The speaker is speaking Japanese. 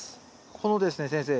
このですね先生